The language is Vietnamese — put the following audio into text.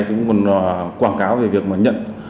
chúng cũng quảng cáo về việc nhận